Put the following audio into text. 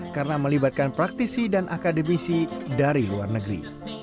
karena melibatkan praktisi dan akademisi dari luar negeri